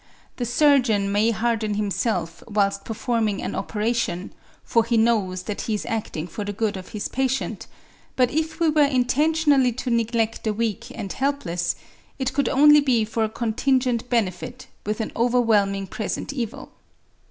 The surgeon may harden himself whilst performing an operation, for he knows that he is acting for the good of his patient; but if we were intentionally to neglect the weak and helpless, it could only be for a contingent benefit, with an overwhelming present evil.